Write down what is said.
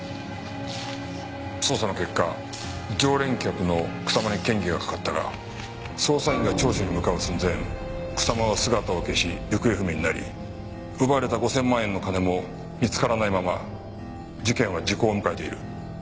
捜査の結果常連客の草間に嫌疑がかかったが捜査員が聴取に向かう寸前草間は姿を消し行方不明になり奪われた５千万円の金も見つからないまま事件は時効を迎えている。